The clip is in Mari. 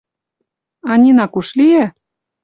А Нина куш лие?